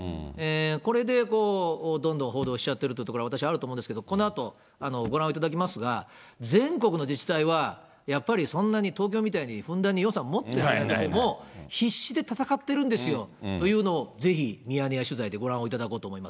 これでどんどん報道しちゃってるというところが私あると思うんですけど、このあとご覧をいただきますが、全国の自治体は、やっぱりそんなに東京みたいにふんだんに予算持ってないけれども、必死で戦ってるんですよというのをぜひ、ミヤネ屋取材でご覧をいただこうと思います。